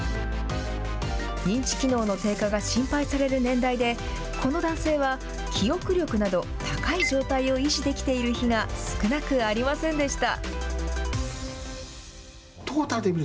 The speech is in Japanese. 認知機能の低下が心配される年代で、この男性は記憶力など、高い状態を維持できている日が少なくありませんでした。